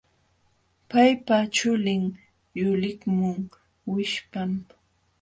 Paypa chulin yuliqmun wishpam.